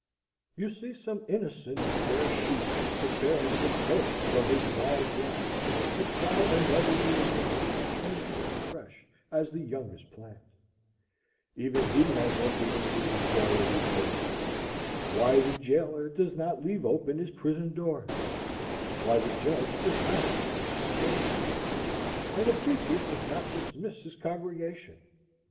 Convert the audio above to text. You see some innocent fair shoots preparing to burst from his gnarled rind and try another year's life, tender and fresh as the youngest plant. Even he has entered into the joy of his Lord. Why the jailer does not leave open his prison doors,—why the judge does not dismis his case,—why the preacher does not dismiss his congregation!